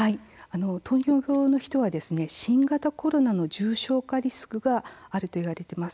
糖尿病の人は新型コロナの重症化リスクがあると言われています。